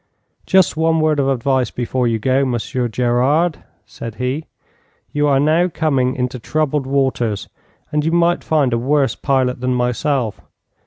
'Just one word of advice before you go, Monsieur Gerard,' said he: 'you are now coming into troubled waters, and you might find a worse pilot than myself.